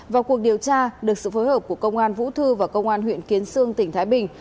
vào cuộc điều tra được sự phối hợp của công an vũ thư và công an huyện kiến sương tỉnh thái bình